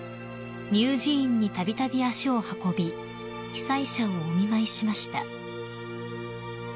乳児院にたびたび足を運び被災者をお見舞いしました］